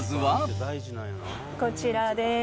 こちらです。